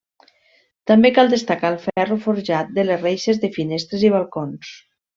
També cal destacar el ferro forjat de les reixes de finestres i balcons.